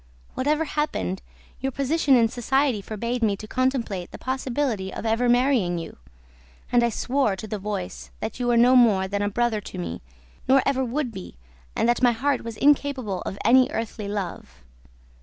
Whatever happened, your position in society forbade me to contemplate the possibility of ever marrying you; and I swore to the voice that you were no more than a brother to me nor ever would be and that my heart was incapable of any earthly love.